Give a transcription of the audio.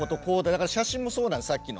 だから写真もそうなんですさっきの。